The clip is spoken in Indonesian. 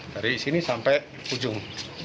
dari sini sampai ujung